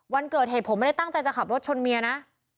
วันเกิดเหตุผมไม่ได้ตั้งใจจะขับรถชนเมียนะ